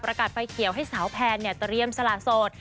อากาศไฟเขียวให้สาวแพนเตรียมสละโสด